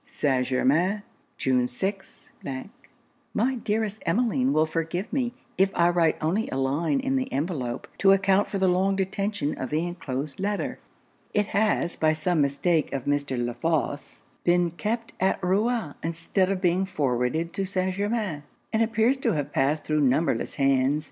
St. Germains, June 6. 'My dearest Emmeline will forgive me if I write only a line in the envelope, to account for the long detention of the enclosed letter. It has, by some mistake of Mr. La Fosse, been kept at Rouen instead of being forwarded to St. Germains; and appears to have passed thro' numberless hands.